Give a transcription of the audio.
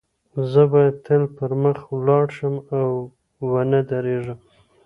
زه باید تل پر مخ ولاړ شم او و نه درېږم